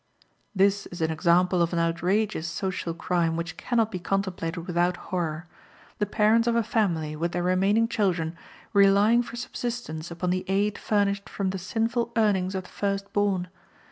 This is an example of an outrageous social crime which can not be contemplated without horror; the parents of a family, with their remaining children, relying for subsistence upon the aid furnished from the sinful earnings of the first born!